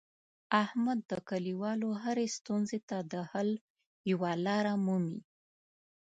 احمد د کلیوالو هرې ستونزې ته د حل یوه لاره مومي.